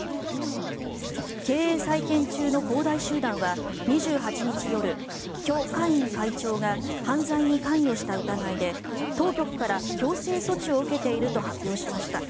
経営再建中の恒大集団は２８日夜、キョ・カイン社長が犯罪に関与した疑いで当局から強制措置を受けていると発表しました。